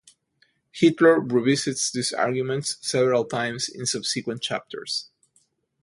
Hitler revisits these arguments several times in subsequent chapters.